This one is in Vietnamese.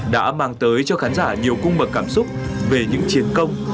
đã mang tới cho khán giả nhiều cung bậc cảm xúc về những chiến công